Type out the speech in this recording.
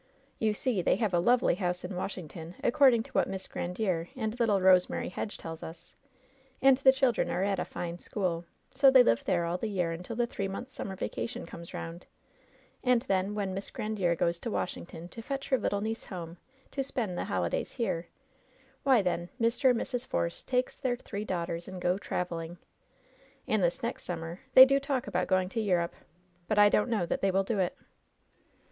You see they have a lovely house in Washington, according to what Miss Grandiere and little Eosemary Hedge tells us, and the children are at a fine school, so they live there all the year until the three months summer vacation comes round, and then when Miss Grandiere goes to Washing ton to fetch her little niece home to spend the holidays here, why, then Mr. and Mrs. Force takes their three daughters and go traveling. And this next summer they do talk about going to Europe, but I don't know that they will do it."